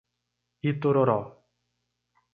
Itororó